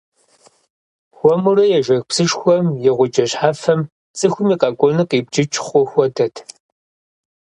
Хуэмурэ ежэх псышхуэм и гъуджэ щхьэфэм цӏыхум и къэкӏуэнур къибджыкӏ хъу хуэдэт.